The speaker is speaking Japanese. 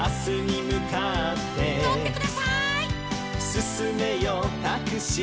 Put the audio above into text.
「すすめよタクシー」